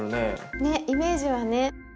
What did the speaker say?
ねイメージはね。